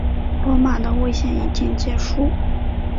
罗马的危险已经结束。